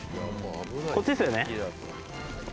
こっちですよね？